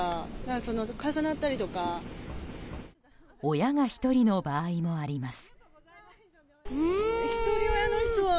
親が１人の場合もあります。